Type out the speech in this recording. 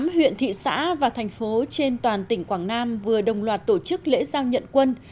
tám huyện thị xã và thành phố trên toàn tỉnh quảng nam vừa đồng loạt tổ chức lễ giao nhận quân